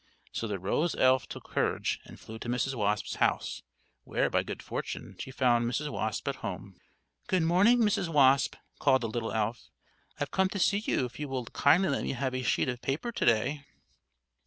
So the rose elf took courage, and flew to Mrs. Wasp's house, where, by good fortune, she found Mrs. Wasp at home. "Good morning Mrs. Wasp," called the little elf, "I've come to see if you will kindly let me have a sheet of paper to day."